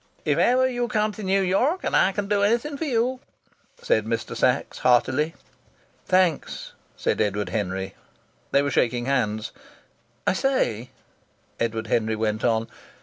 "If ever you come to New York, and I can do anything for you " said Mr. Sachs, heartily. "Thanks," said Edward Henry. They were shaking hands. "I say," Edward Henry went on.